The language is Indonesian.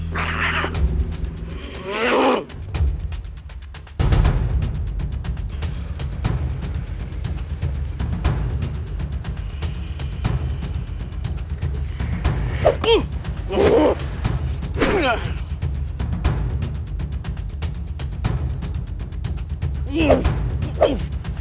tapi harus gentleman